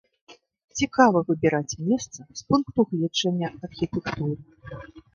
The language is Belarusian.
Цікава выбіраць месца з пункту гледжання архітэктуры.